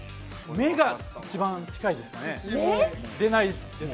目が一番近いですかね。